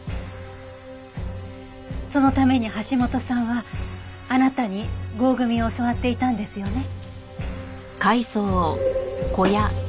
そのために橋本さんはあなたに合組を教わっていたんですよね？